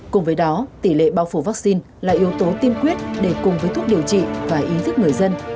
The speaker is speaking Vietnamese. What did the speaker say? cùng với đó tỷ lệ bao phủ vaccine là yếu tố tiên quyết để cùng với thuốc điều trị và ý thức người dân